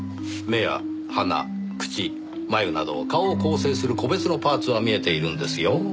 目や鼻口眉など顔を構成する個別のパーツは見えているんですよ。